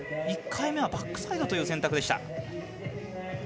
１回目はバックサイドという選択でした。